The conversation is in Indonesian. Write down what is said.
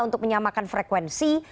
untuk menyamakan frekuensi